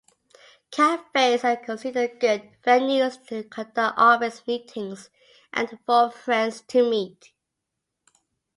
Cafes are considered good venues to conduct office meetings and for friends to meet.